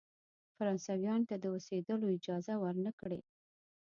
فرانسویانو ته د اوسېدلو اجازه ورنه کړی.